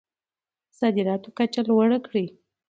د صادراتو کچه لوړه کړئ.